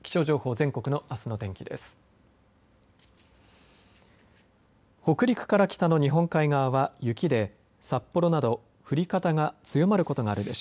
全国のあすの天気です。